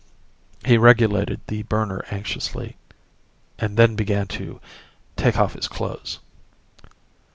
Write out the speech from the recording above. He regulated the burner anxiously, and then began to take off his clothes.